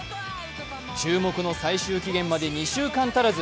注目の最終期限まで２週間足らず。